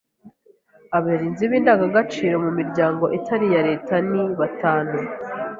Abarinzi b’indangagaciro mu miryango itari iya Leta ni batanu